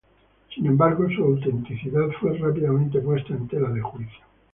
Sin embargo, su autenticidad fue rápidamente puesta en tela de juicio.